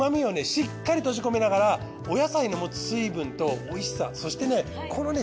しっかり閉じ込めながらお野菜の持つ水分とおいしさそしてねこのね